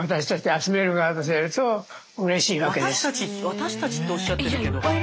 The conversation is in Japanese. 私たちとおっしゃってるけど。